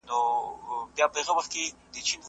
زما مې خپل قاتل سره ډغره ده، نور خیر دی